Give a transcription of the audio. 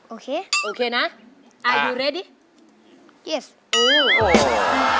โอเคนะอ่ะนายพร้อมหรือเปล่า